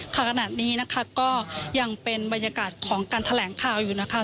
ขณะนี้นะคะก็ยังเป็นบรรยากาศของการแถลงข่าวอยู่นะคะ